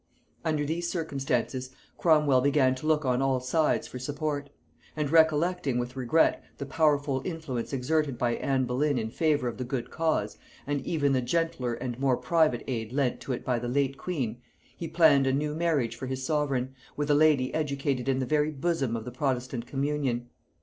Under these circumstances Cromwel began to look on all sides for support; and recollecting with regret the powerful influence exerted by Anne Boleyn in favor of the good cause, and even the gentler and more private aid lent to it by the late queen, he planned a new marriage for his sovereign, with a lady educated in the very bosom of the protestant communion.